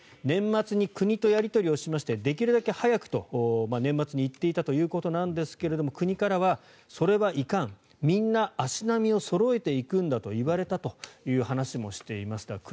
年末に国とやり取りしましてできるだけ早くと、年末に言っていたということですが国からは、それはいかんみんな足並みをそろえていくんだと言われたという話もしていました。